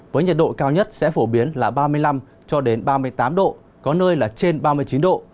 với nhiệt độ cao nhất sẽ phổ biến là ba mươi năm cho đến ba mươi tám độ có nơi là trên ba mươi chín độ